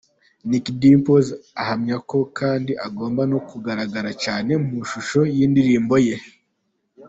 Nick Dimpoz ahamya ko kandi agomba no kugaragara cyane mashusho y’indirimbo ye.